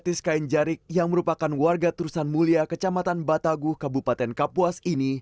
fetis kain jarik yang merupakan warga turusan mulia kecamatan batagu kabupaten kapuas ini